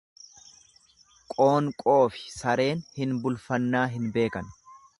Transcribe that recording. Qoonqoofi sareen hin bulfannaa hin beekan.